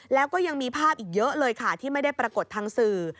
แล้วก็ยังมีภาพอีกเยอะเลยค่ะที่ไม่ได้ปรากฏทางสื่อ